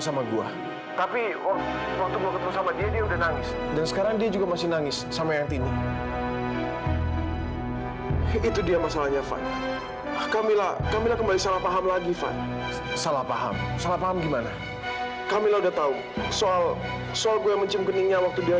sampai jumpa di video selanjutnya